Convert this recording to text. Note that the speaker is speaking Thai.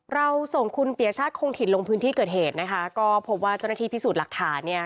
เราส่งคุณปียชาติคงถิ่นลงพื้นที่เกิดเหตุนะคะก็พบว่าเจ้าหน้าที่พิสูจน์หลักฐานเนี่ย